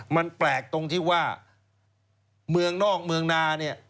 มันแปลกตรงที่ว่าเมืองนอกเมืองนาเนี่ย